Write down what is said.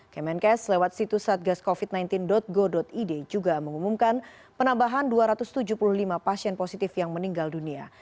kemenkes lewat situs satgascovid sembilan belas go id juga mengumumkan penambahan dua ratus tujuh puluh lima pasien positif yang meninggal dunia